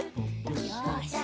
よし。